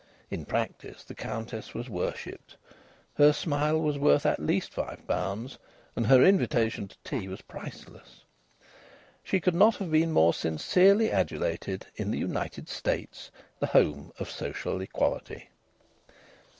In practice the Countess was worshipped; her smile was worth at least five pounds, and her invitation to tea was priceless. She could not have been more sincerely adulated in the United States, the home of social equality.